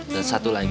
dan satu lagi